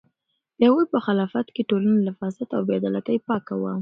د هغوی په خلافت کې ټولنه له فساد او بې عدالتۍ پاکه وه.